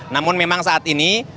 namun memang saat ini